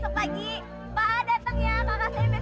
pak datang ya kakak saya besok nikah